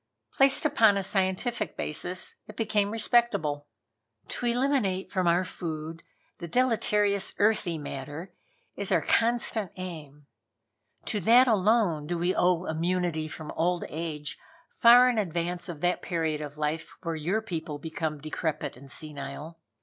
Placed upon a scientific basis it became respectable. "To eliminate from our food the deleterious earthy matter is our constant aim. To that alone do we owe immunity from old age far in advance of that period of life when your people become decrepit and senile.